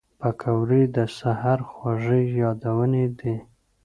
پکورې د سهر خوږې یادونې دي